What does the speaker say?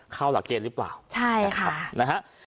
โปรดติดตามต่อไป